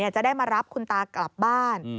จะได้มารับคุณตากลับบ้าน